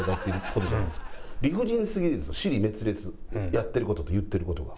やってる事と言ってる事が。